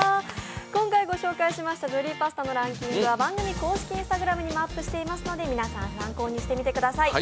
今回ご紹介しましたジョリーパスタのランキングは番組公式Ｉｎｓｔａｇｒａｍにもアップしていますので、皆さん参考にしてみてください。